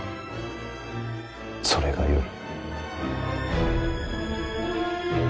それがよい。